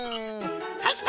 はいきた！